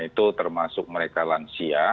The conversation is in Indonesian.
itu termasuk mereka lansia